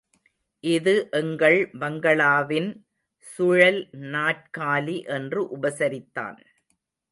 இது எங்கள் பங்களாவின் சுழல்நாற்காலி என்று உபசரித்தான்.